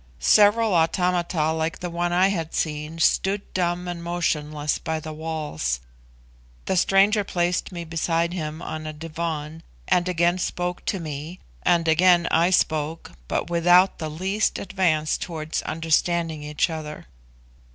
Several automata, like the one I had seen, stood dumb and motionless by the walls. The stranger placed me beside him on a divan and again spoke to me, and again I spoke, but without the least advance towards understanding each other.